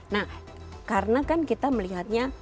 nah karena kan kita melihatnya